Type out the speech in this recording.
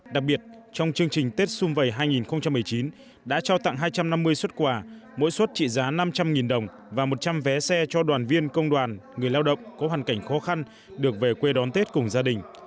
đặc biệt trong chương trình tết xung vầy hai nghìn một mươi chín đã trao tặng hai trăm năm mươi xuất quà mỗi xuất trị giá năm trăm linh đồng và một trăm linh vé xe cho đoàn viên công đoàn người lao động có hoàn cảnh khó khăn được về quê đón tết cùng gia đình